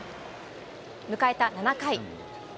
迎えた７回。